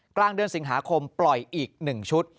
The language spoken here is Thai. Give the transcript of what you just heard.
กลางเดือนสิงหาคมปล่อยอีก๑ชุด